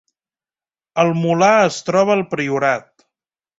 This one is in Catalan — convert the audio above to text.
El Molar es troba al Priorat